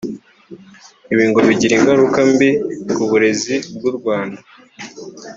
Ibi ngo bigira ingaruka mbi ku burezi bw’u Rwanda